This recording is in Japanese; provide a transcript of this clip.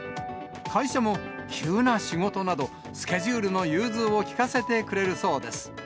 会社も、急な仕事など、スケジュールの融通を利かせてくれるそうです。